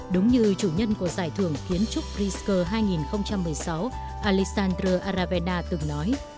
đúng như chủ nhân của giải thưởng kiến trúc prisco hai nghìn một mươi sáu alessandro araveda từng nói